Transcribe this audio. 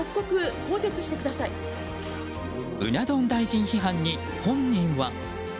うな丼大臣批判に本人は？